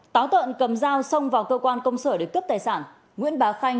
táo tợn cầm dao xong vào cơ quan công sở để cấp tài sản nguyễn bà khanh